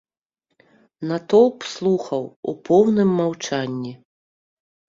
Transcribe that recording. Натоўп слухаў у поўным маўчанні.